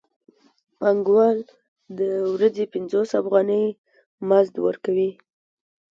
پانګوال د ورځې پنځوس افغانۍ مزد ورکوي